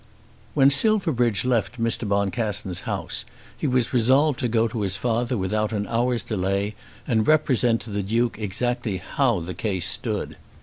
When Silverbridge left Mr. Boncassen's house he was resolved to go to his father without an hour's delay, and represent to the Duke exactly how the case stood.